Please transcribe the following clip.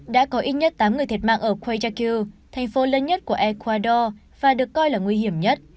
đã có ít nhất tám người thiệt mạng ở khuyakyo thành phố lớn nhất của ecuador và được coi là nguy hiểm nhất